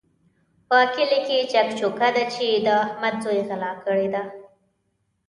په کلي کې چک چوکه ده چې د احمد زوی غلا کړې ده.